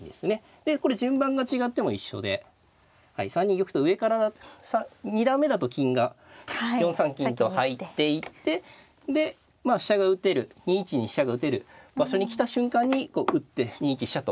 でこれ順番が違っても一緒で３二玉と上から二段目だと金が４三金と入っていってでまあ飛車が打てる２一に飛車が打てる場所に来た瞬間に打って２一飛車と。